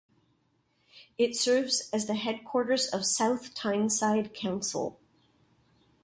It serves as the headquarters of South Tyneside Council.